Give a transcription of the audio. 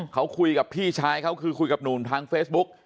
เขาคุยกับพี่ชายเขาคือคุยกับหนุ่มทางเฟซบุ๊ก